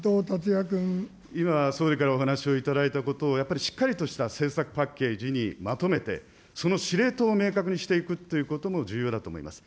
今、総理からお話を頂いたことをやっぱりしっかりとした政策パッケージにまとめて、その司令等を明確にしていくということも重要だと思います。